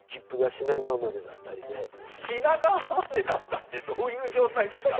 品川までだったってどういうじょうたいですか？